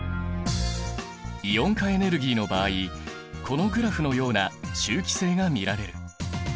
イオン化エネルギーの場合このグラフのような周期性が見られる。